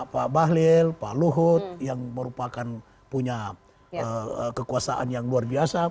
pak bahlil pak luhut yang merupakan punya kekuasaan yang luar biasa